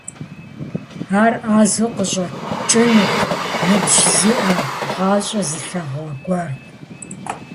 Ар Ӏэзэу къыщӀэкӀынут, ныбжь зиӀэ, гъащӀэ зылъэгъуа гуэрт.